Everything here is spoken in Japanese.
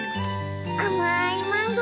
あまいマンゴー。